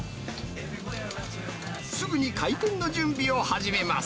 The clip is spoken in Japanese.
すぐに開店の準備を始めます。